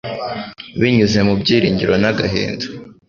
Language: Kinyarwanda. Binyuze mu byiringiro n'agahinda